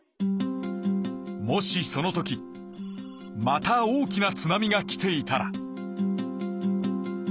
もしその時また大きな津波が来ていたら。